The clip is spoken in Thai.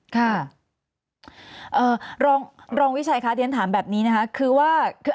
ค่ะรองวิชัยคะเรียนถามแบบนี้นะคะคือว่าคือ